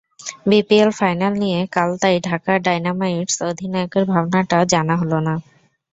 BPL final নিয়ে কাল তাই ঢাকা ডায়নামাইটস অধিনায়কের ভাবনাটা জানা হলো না।